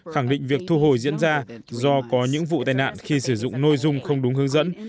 khẳng định việc thu hồi diễn ra do có những vụ tai nạn khi sử dụng nôi dung không đúng hướng dẫn